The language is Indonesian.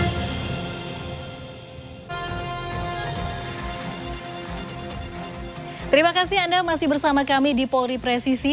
terima kasih anda masih bersama kami di polri presisi